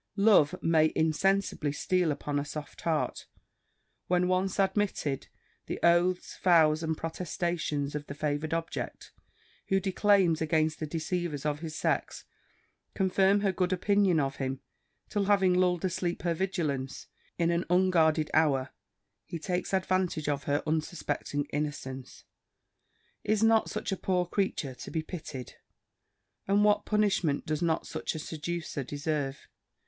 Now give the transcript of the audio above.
Love may insensibly steal upon a soft heart; when once admitted, the oaths, vows, and protestations of the favoured object, who declaims against the deceivers of his sex, confirm her good opinion of him, till having lull'd asleep her vigilance, in an unguarded hour he takes advantage of her unsuspecting innocence. Is not such a poor creature to be pitied? And what punishment does not such a seducer deserve?"